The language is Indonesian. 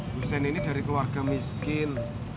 hussein ini dari keluarga miskin